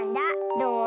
どう？